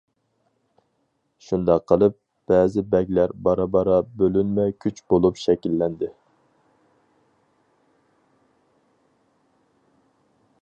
شۇنداق قىلىپ، بەزى بەگلەر بارا-بارا بۆلۈنمە كۈچ بولۇپ شەكىللەندى.